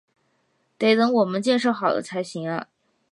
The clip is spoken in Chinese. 得等我们建设好了才行啊